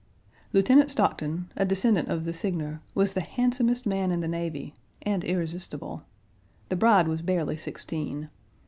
Lieutenant Stockton (a descendant of the Signer) was the handsomest man in the navy, and irresistible. The bride was barely sixteen.